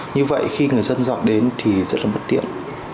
như vậy khi người dân dọn đến thì rất là bất tiện